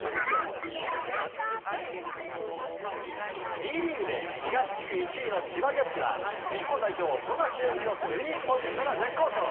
Ｂリーグで東地区１位の千葉ジェッツは日本代表、富樫勇樹のスリーポイントが絶好調。